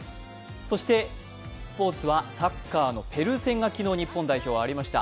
そしてスポーツはサッカーのペルー戦が昨日、ありました。